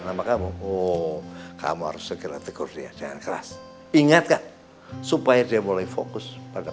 nama kamu oh kamu harus segera tegur dia dengan keras ingatkan supaya dia mulai fokus pada